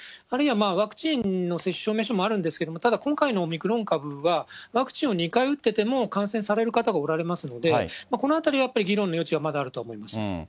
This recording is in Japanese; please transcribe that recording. あるいは、ワクチンの接種証明書もあるんですけれども、ただ今回のオミクロン株は、ワクチンを２回打ってても感染される方がおられますので、このあたりはやっぱり議論の余地はまだあると思うんです。